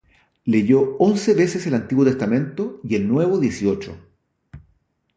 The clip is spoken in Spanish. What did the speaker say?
Leyó once veces el Antiguo Testamento, y el Nuevo dieciocho.